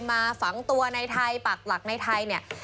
มาฝังตัวในไทยปรักหลักในไทย